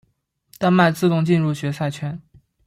丹麦自动进入决赛圈。